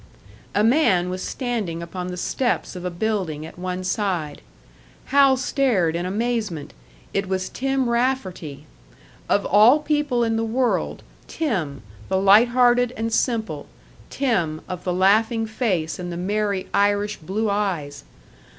A man was standing upon the steps of a building at one side. Hal stared in amazement; it was Tim Rafferty. Of all people in the world Tim, the light hearted and simple, Tim of the laughing face and the merry Irish blue eyes!